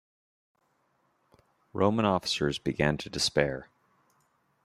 Roman officers began to despair.